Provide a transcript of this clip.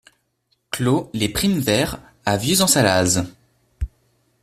Clos les Primevères à Viuz-en-Sallaz